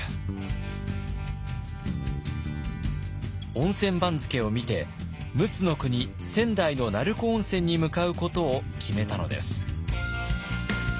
温泉番付を見て陸奥国仙台の成子温泉に向かうことを決めたのです。